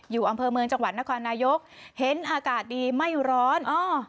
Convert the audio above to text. อยู่อำเภอเมืองจังหวัดนครนายกเห็นอากาศดีไม่ร้อนอ๋อ